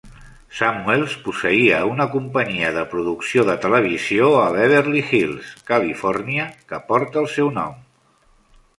Samuels posseïa una companyia de producció de televisió a Beverly Hills, Califòrnia que porta el seu nom.